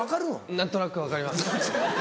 何となく分かります。